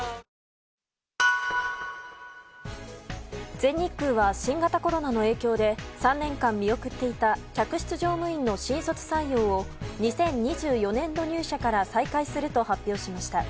全日空は新型コロナの影響で３年間見送っていた客室乗務員の新卒採用を２０２４年度入社から再開すると発表しました。